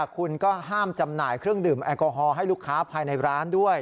คุณก็ห้ามจำหน่ายเครื่องดื่มแอลกอฮอล์ให้ลูกค้าภายในร้านด้วย